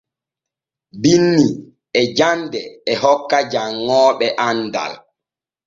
Binni e jande e hokka janŋooɓe andal.